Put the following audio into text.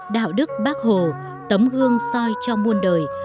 đạo đức bác hồ tấm gương soi cho muôn đời